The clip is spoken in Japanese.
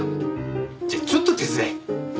じゃあちょっと手伝え。